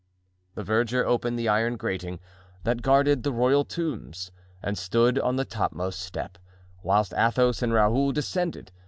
The verger opened the iron grating that guarded the royal tombs and stood on the topmost step, whilst Athos and Raoul descended.